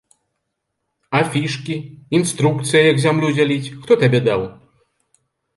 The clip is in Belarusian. Афішкі, інструкцыя, як зямлю дзяліць, хто табе даў?